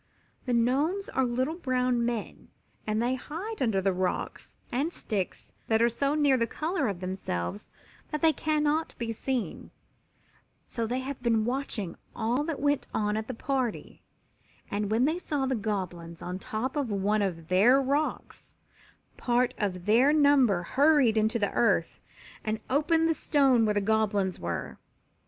The Gnomes are little brown men and they hide under the leaves and sticks that are so near the color of themselves that they cannot be seen, so they had been watching all that went on at the party, and, when they saw the Goblins on top of one of their rocks, part of their number hurried into the earth and opened the stone where the Goblins were.